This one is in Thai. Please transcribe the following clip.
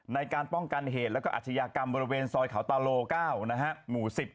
ในการป้องกันเหตุและอาชญากรรมบริเวณซอยเขาตาโล๙หมู่๑๐